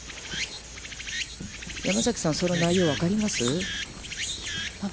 山崎さん、その内容わかります？